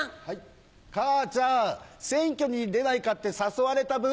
母ちゃん選挙に出ないかって誘われたブ。